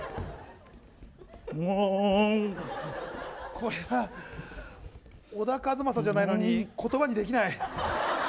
これは、小田和正じゃないのに言葉にできない。